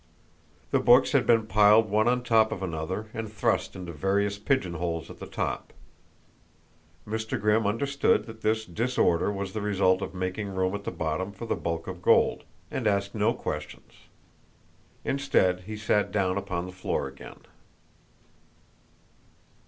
The books had been piled one on top of another and thrust into various pigeonholes at the top. Mr. Grimm understood that this disorder was the result of making room at the bottom for the bulk of gold, and asked no questions. Instead, he sat down upon the floor again.